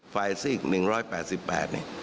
ฝ่ายซีก๑๘๘เนี่ย